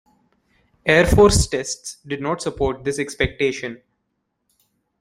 Air Force tests did not support this expectation.